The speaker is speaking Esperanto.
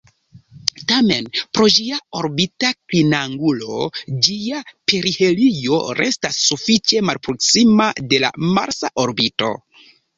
Tamen, pro ĝia orbita klinangulo, ĝia perihelio restas sufiĉe malproksima de la marsa orbito.